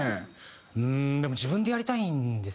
うーんでも自分でやりたいんですよね。